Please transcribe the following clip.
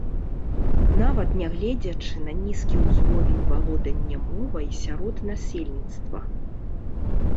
Нават нягледзячы на нізкі ўзровень валодання мовай сярод насельніцтва.